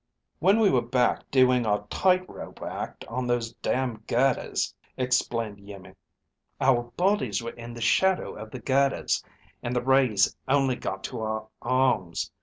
"When we were back doing our tightrope act on those damn girders," explained Iimmi, "our bodies were in the shadow of the girders and the rays only got to our arms.